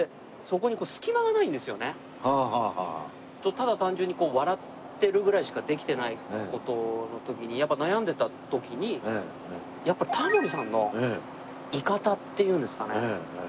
ただ単純に笑ってるぐらいしかできてない事悩んでた時にやっぱりタモリさんの居方っていうんですかね。